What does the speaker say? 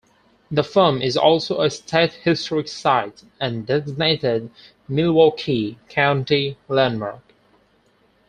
The farm is also a State Historic Site and designated Milwaukee County Landmark.